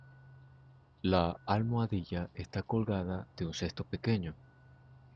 La almohadilla está colgada de un cesto pequeño.